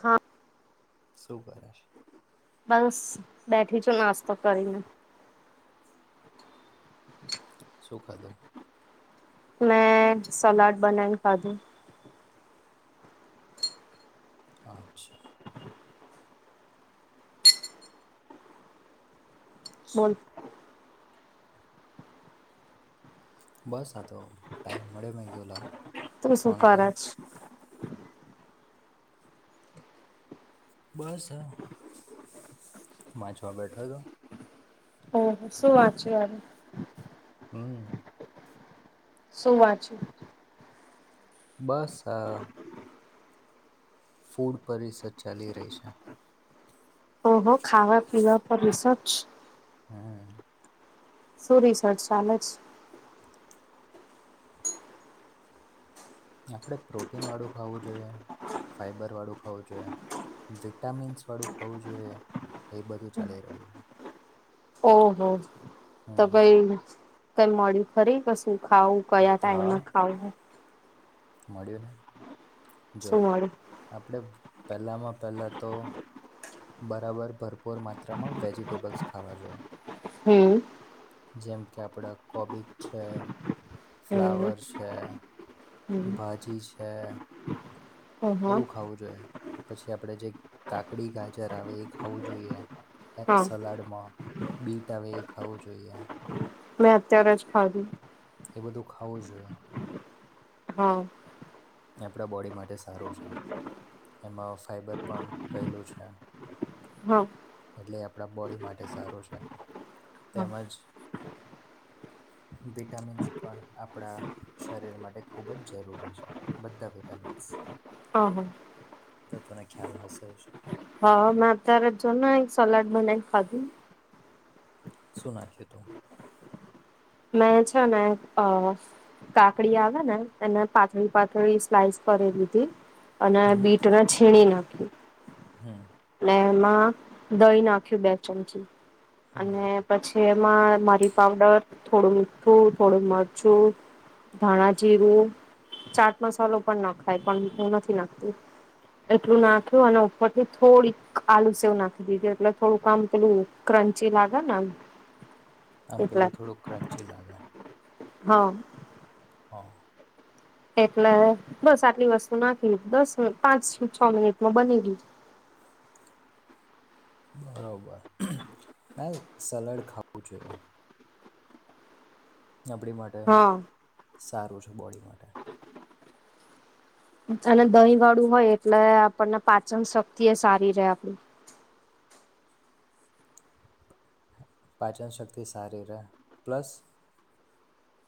હા. શું કરે છે? બસ બેઠી છું નાસ્તો કરીને. શુ ખાધું? મેં સલાડ બનાવી ને ખાધું. અચ્છા. બોલ. બસ આ તો ટાઈમ મળ્યો મે કીધું લાવ તું શુ ફોન કરું. કરચ? બસ વાંચવા બેઠો તો. ઓ હો શું વાંચીયું આજે? હમ્મ. શું વાંચીયું? બસ આ ફૂડ પરિસદ ચાલી રહી છે. ઓહો ખાવા પીવા પણ હશે જ. હમ્મ. શું રિસર્ચ ચાલે જ. આપણે પ્રોટીન વાળું ખાવું જોઈએ, ફાઈબર વાળું ખાવું જોઈએ વિટામિન્સ વાળું ખાવું જોઈએ એ બધું ચાલી રહ્યું છે. ઓહ હો. તો હમ્મ. પૈ તને મળી ખરી વસ્તુ હુ ખાવું કયા હા ટાઈમે ખાવુ. મળ્યું ને. જો શું મળ્યું? આપડે પહેલામાં પહેલા તો બરાબર ભરપૂર માત્રામાં વેજિટેબલ્સ ખાવા જોઈએ. હમ્મ. જેમ કે આપડા કોબીજ છે, હમ ફ્લાવર છે, હમ ભાજી છે. ઓહો એવું ખાવું જોઈએ. પછી આપડે જે કાકડી, ગાજર આવે એ ખાવું જોઈએ. એક હા સલાડમાં. બીટ આવે એ ખાવું જોઈએ. મેં અત્યારે જ ખાધી. એ બધું ખાવું જોઈએ. હા. આપણા બોડી માટે સારું છે એમાં ફાઈબર પણ રહેલું છે. હા. એટલે આપડા બોડી માટે સારું છે હા તેમજ વિટામિન્સ પણ આપડા શરીર માટે ખૂબ જ જરૂરી છે. બધા વિટામિન્સ. હા હા તો તનને ખ્યાલ હશે જ. હા મે અત્યારે જ જોને એક સલાડ બનાઈને ખાધું. શું નાખિયું તું? મેં છે ને અ કાકડી આવે ને એને પાતળી-પાતળી સ્લાઈસ કરી લીધી અને બીટને છીણીને. [inaudible] હમ્મ. એમાં દહી નાખ્યું બે ચમચી. હમ અને પછી એક મારી પાવડર થોડું મીઠું થોડું મરચું ધણાજીીરું ચાટ મસાલો પણ નાખાય પણ હું નથી નાખતું એટલું નાખ્યું અને ઉપરથી થોડીક આલુ સેવ નાખી દીધી એટલે થોડુંક આામ પેલું ક્રંચી લાગે ને એ આમ પેલું થોડુંક પ્ર્રંચીલાાગ હા હા એટલે બસ આટલી વસ્તુ નાખી દસ પાંચથી છ મિનિટમાં બની ગય બરોબર ના સલાડ ખાવું જોઈએ આપડી હા માટેટ સારું છે બોડી માટે અને દહીં વાળું હોય એટલે આપણને પાચન શક્તિ એ સારી રે આપણ પાચન શક્તિ સારરા પ્લસ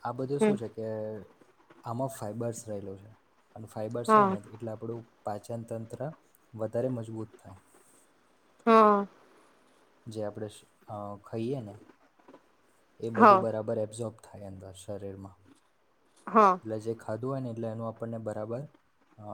આ બધું શું હમ છે કે આમાં ફાઈબર્સ રહેલો છે અને ફાઈબર્સ હોય હા ને એટલે આપડું પાચન તંત્ર વધારે મજબૂત થાય હા જે આપણે અ ખાઈએ ને એ હા બધું બરાબર એપ્ઝોપ [inaudible] શરીરમાં. હા લજે ખાધું અને એટલે એનું આપણને બરાબર અ